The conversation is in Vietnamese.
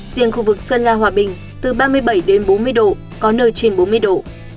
riêng khu vực sơn la hòa bình từ ba mươi bảy đến bốn mươi độ có nơi trên bốn mươi độ